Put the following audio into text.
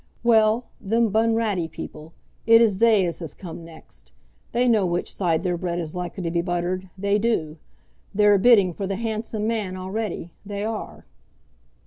"Well; them Bunratty people; it is they as has come next. They know which side their bread is likely to be buttered; they do. They're a bidding for the 'Handsome Man' already; they are."